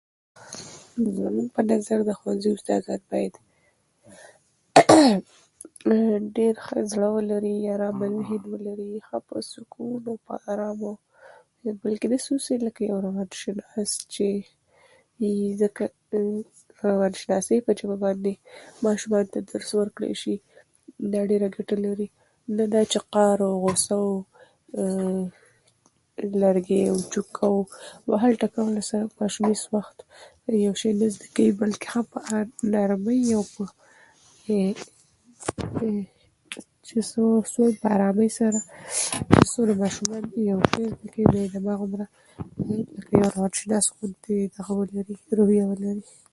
موږ بايد د خپل هيواد د پرمختګ لپاره په ګډه هڅې وکړو